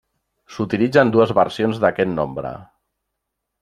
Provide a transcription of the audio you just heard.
S'utilitzen dues versions d'aquest nombre.